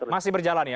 masih berjalan ya